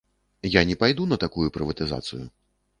Я не пайду на такую прыватызацыю.